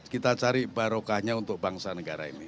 kita cari barokahnya untuk bangsa negara ini